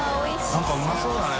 燭うまそうだね